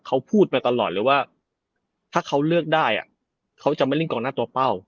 เขาพูดมาตลอดเลยว่าถ้าเขาเลือกได้เขาจะไม่เล่นกองหน้าตัวเป้า